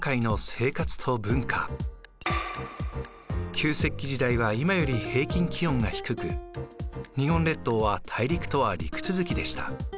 旧石器時代は今より平均気温が低く日本列島は大陸とは陸続きでした。